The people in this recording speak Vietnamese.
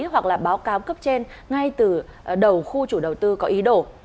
hoặc là báo cáo cấp trên ngay từ đầu khu chủ đầu tư có ý đồ